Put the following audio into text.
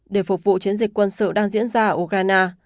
để phục vụ chiến dịch quân sự đang diễn ra ở ukraine